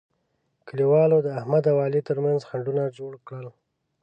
کلیوالو د احمد او علي ترمنځ خنډونه جوړ کړل.